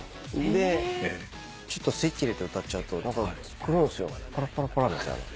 でちょっとスイッチ入れて歌っちゃうと来るんすよパラパラパラみたいな。